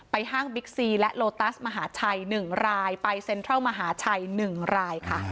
ห้างบิ๊กซีและโลตัสมหาชัย๑รายไปเซ็นทรัลมหาชัย๑รายค่ะ